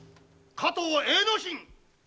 加東栄之進。